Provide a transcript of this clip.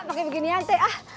pake beginian teh ah